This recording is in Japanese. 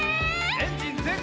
エンジンぜんかい！